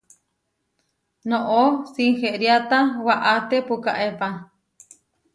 Noʼó sinheriáta waʼáte pukaépa.